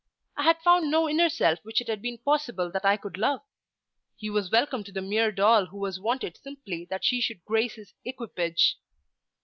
I had found no inner self which it had been possible that I could love. He was welcome to the mere doll who was wanted simply that she should grace his equipage.